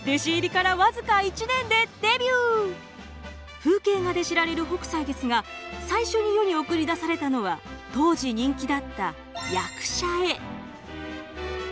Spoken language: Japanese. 風景画で知られる北斎ですが最初に世に送り出されたのは当時人気だった役者絵。